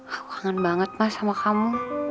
aku kangen banget mas sama kamu